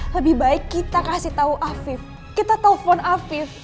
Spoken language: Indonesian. lebih baik kita kasih tau afif kita telfon afif